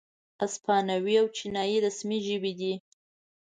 اسپانوي او چینایي رسمي ژبې دي.